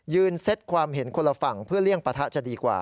เซ็ตความเห็นคนละฝั่งเพื่อเลี่ยงปะทะจะดีกว่า